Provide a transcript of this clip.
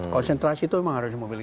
konsentrasi itu memang harus dimiliki